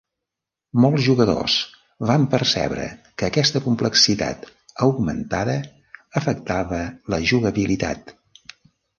Molts jugadors van percebre que aquesta complexitat augmentada afectava la jugabilitat.